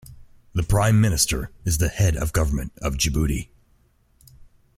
The Prime Minister is the head of government of Djibouti.